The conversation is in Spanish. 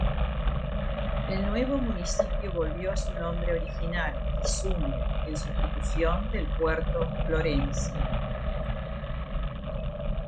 El nuevo municipio volvió a su nombre original, Kisumu, en sustitución del Puerto Florencia.